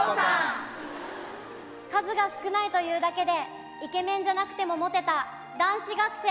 「数が少ないというだけでイケメンじゃなくてもモテた男子学生」。